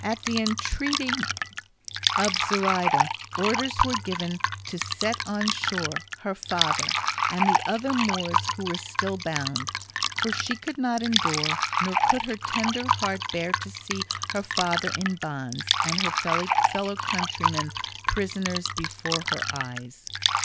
At the entreaty of Zoraida orders were given to set on shore her father and the other Moors who were still bound, for she could not endure, nor could her tender heart bear to see her father in bonds and her fellow countrymen prisoners before her eyes.